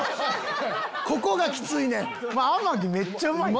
ここがきついねん。